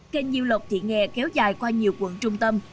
kênh nhiều lọc thị nghè kéo dài qua nhiều quận trung tâm